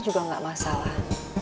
juga enggak masalah